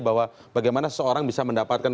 bahwa bagaimana seseorang bisa mendapatkan